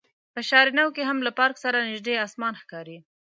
په شهر نو کې هم له پارک سره نژدې اسمان ښکاري.